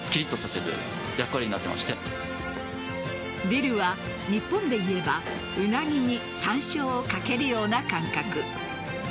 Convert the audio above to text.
ディルは日本でいえばウナギにさんしょうをかけるような感覚。